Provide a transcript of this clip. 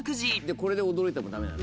これで驚いてもダメなの？